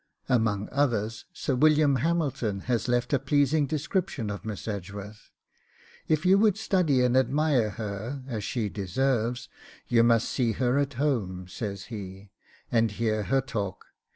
Among others Sir William Hamilton has left a pleasing description of Miss Edgeworth. 'If you would study and admire her as she deserves, you must see her at home,' says he, 'and hear her talk.